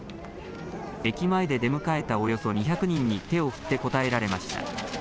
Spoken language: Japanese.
駅前で出迎えたおよそ２００人に手を振って応えられました。